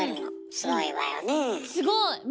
すごい！